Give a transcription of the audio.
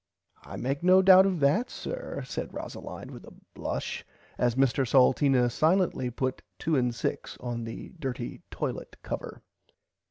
I make no doubt of that sir said Rosalind with a blush as Mr Salteena silently put 2/6 on the dirty toilet cover.